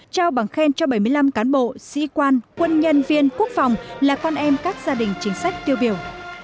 trao bằng khen cho bảy mươi năm cán bộ sĩ quan quân nhân viên quốc phòng là con em các gia đình chính sách tiêu biểu